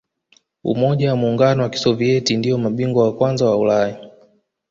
umoja wa muungano wa kisovieti ndiyo mabingwa wa kwanza wa ulaya